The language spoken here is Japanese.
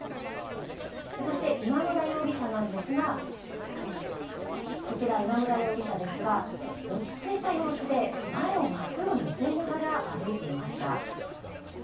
そして、今村容疑者なんですが、こちら、今村容疑者ですが、落ち着いた様子で前をまっすぐ見据えながら歩いていました。